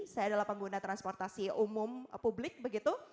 saya adalah pengguna transportasi umum publik begitu